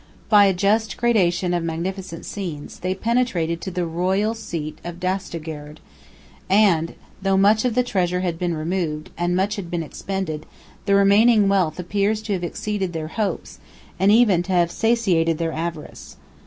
By a just gradation of magnificent scenes, they penetrated to the royal seat of Dastagerd, 1031 and, though much of the treasure had been removed, and much had been expended, the remaining wealth appears to have exceeded their hopes, and even to have satiated their avarice.